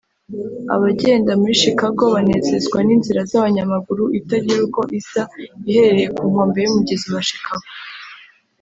Abagenda muri Chicago banezezwa n’inzira y’abanyamaguru itagira uko isa iherereye ku nkombe y’umugezi wa Chicago